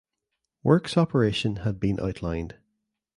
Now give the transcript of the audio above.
Works operation had been outlined.